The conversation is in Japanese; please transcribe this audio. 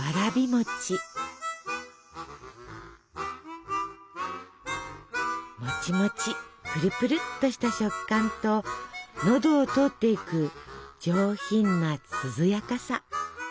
もちもちプルプルっとした食感と喉を通っていく上品な涼やかさ。